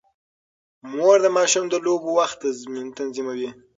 مور د ماشوم د لوبو وخت تنظیموي.